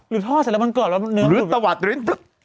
หรือทอดเสร็จแล้วมันกรอบแล้วมันหนึ่งหรือตะวัดหรือ